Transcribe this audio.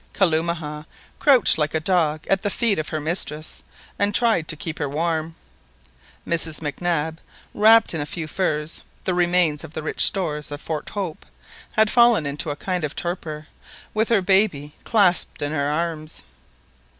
Kalumah crouched like a dog at the feet of her mistress, and tried to keep her warm. Mrs Mac Nab, wrapped in a few furs, the remains of the rich stores of Fort Hope, had fallen into a kind of torpor, with her baby clasped in her arms.